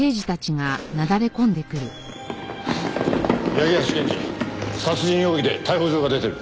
八木橋健司殺人容疑で逮捕状が出てる。